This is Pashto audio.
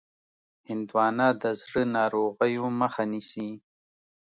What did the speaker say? هندوانه د زړه ناروغیو مخه نیسي.